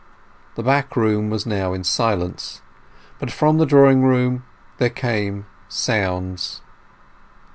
The back room was now in silence; but from the drawing room there came sounds.